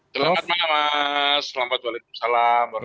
selamat malam mas selamat waalaikumsalam